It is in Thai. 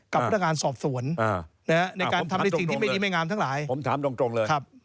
กับพนักงานสอบสวนในการทำในสิ่งที่ไม่ดีไม่งามทั้งหลายผมถามตรงเลย